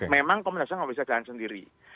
memang komnasem nggak bisa jalan sendiri